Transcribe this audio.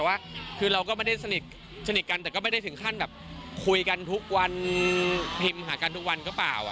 แต่ว่าคือเราก็ไม่ได้สนิทกันแต่ก็ไม่ได้ถึงขั้นแบบคุยกันทุกวันพิมพ์หากันทุกวันก็เปล่า